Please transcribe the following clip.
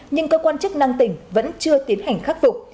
nhưng cơ quan chức năng tỉnh vẫn chưa tiến hành khắc phục